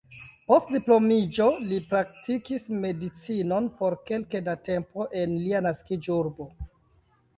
Post diplomiĝo li praktikis medicinon por kelke da tempo en lia naskiĝurbo.